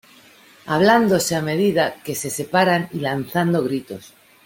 hablándose a medida que se separan y lanzando gritos.